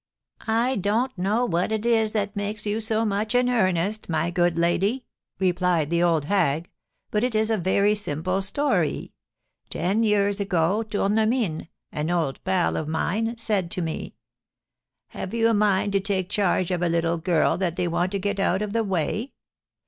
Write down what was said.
"I don't know what it is that makes you so much in earnest, my good lady," replied the old hag; "but it is a very simple story. Ten years ago Tournemine, an old pal of mine, said to me: 'Have you a mind to take charge of a little girl that they want to get out of the way?